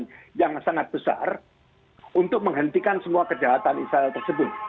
dan juga setelah itu kejahatan yang sangat besar untuk menghentikan semua kejahatan israel tersebut